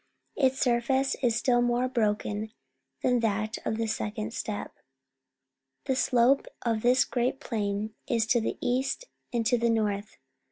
Its surface is still more broken than that of the second steppe. The slope of this great plain is to the east and to the north.